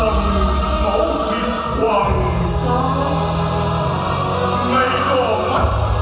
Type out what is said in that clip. ngày đổ mặt chương xá dông đạo